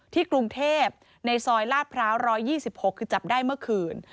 กรุงเทพในซอยลาดพร้าว๑๒๖คือจับได้เมื่อคืน